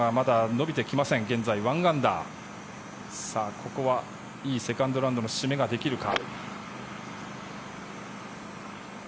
ここはいいセカンドラウンドの締めができるか。